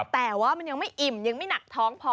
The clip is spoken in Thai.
แต่ว่ามันยังไม่อิ่มยังไม่หนักท้องพอ